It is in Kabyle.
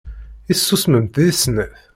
I tessusmemt deg snat?